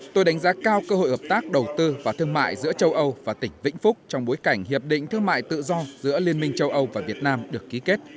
tôi đánh giá cao cơ hội hợp tác đầu tư và thương mại giữa châu âu và tỉnh vĩnh phúc trong bối cảnh hiệp định thương mại tự do giữa liên minh châu âu và việt nam được ký kết